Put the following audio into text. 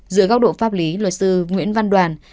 dưới góc độ pháp lý luật sư nguyễn văn đoàn